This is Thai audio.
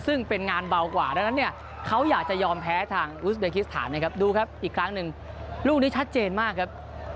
ซึ่งเป็นงานเบากว่าดังนั้นเนี่ยเขาอยากจะยอมแพ้ทางอุสเบคิสถานนะครับดูครับอีกครั้งหนึ่งลูกนี้ชัดเจนมากครับ